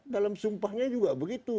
dalam sumpahnya juga begitu